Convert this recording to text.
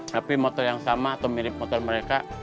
tapi motor yang sama atau mirip motor mereka